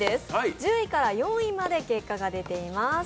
１０位から４位まで結果が出ています。